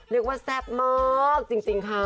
เรียกว่าแทบมากจริงค่ะ